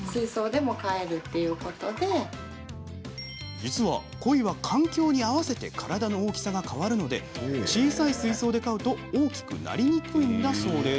実は、コイは環境に合わせて体の大きさが変わるので小さい水槽で飼うと大きくなりにくいんだそうです。